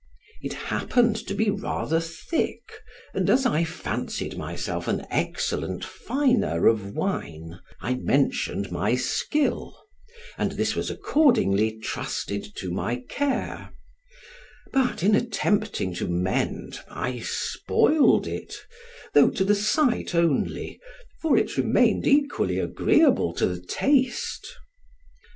It happened to be rather thick, and as I fancied myself an excellent finer of wine, I mentioned my skill, and this was accordingly trusted to my care, but in attempting to mend, I spoiled it, though to the sight only, for it remained equally agreeable to the taste.